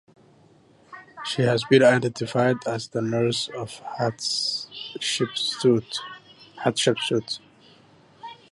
She has been identified as the nurse of Hatshepsut.